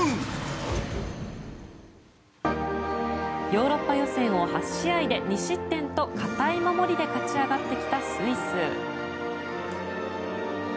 ヨーロッパ予選を８試合で２失点と堅い守りで勝ち上がってきたスイス。